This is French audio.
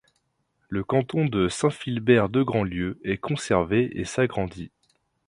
Le canton de Saint-Philbert-de-Grand-Lieu est conservé et s'agrandit.